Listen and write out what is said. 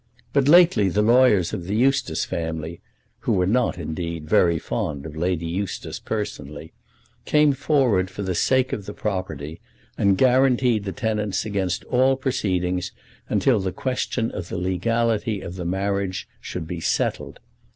But lately the lawyers of the Eustace family, who were not, indeed, very fond of Lady Eustace personally, came forward for the sake of the property, and guaranteed the tenants against all proceedings until the question of the legality of the marriage should be settled.